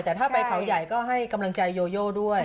แต่ถ้าไปเขาใหญ่ก็ให้กำลังใจโยโยด้วย